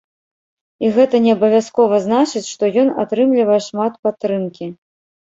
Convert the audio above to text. І гэта не абавязкова значыць, што ён атрымлівае шмат падтрымкі.